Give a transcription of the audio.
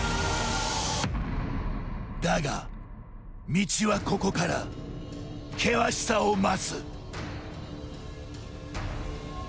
だが、道はここから険しさを増す。